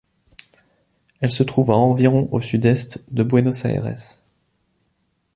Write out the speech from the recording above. Elle se trouve à environ au sud-est de Buenos Aires.